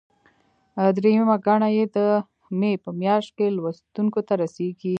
درېیمه ګڼه یې د مې په میاشت کې لوستونکو ته رسیږي.